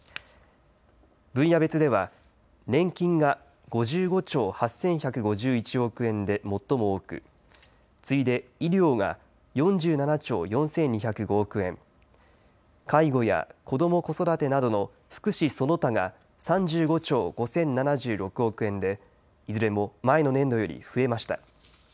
分野別では年金が５５兆８１５１億円で最も多く次いで医療が４７兆４２０５億円、介護や子ども・子育てなどの福祉その他が３５兆５０７６億円でいずれも前の年度より増えました。